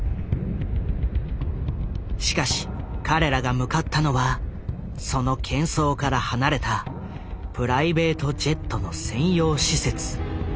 しかし彼らが向かったのはそのけん騒から離れたプライベートジェットの専用施設。